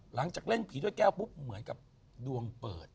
หลังจากเล่นผีด้วยแก้วปุ๊บเหมือนกับดวงเปิด